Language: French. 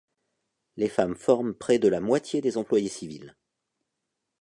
Les femmes forment près de la moitié des employés civils.